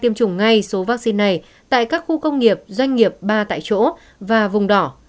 tiêm chủng ngay số vaccine này tại các khu công nghiệp doanh nghiệp ba tại chỗ và vùng đỏ